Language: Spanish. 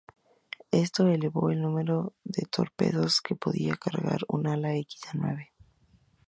Esto elevó el número de torpedos que podía cargar un Ala-X a nueve.